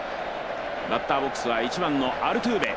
バッターボックスは１番、アルトゥーベ。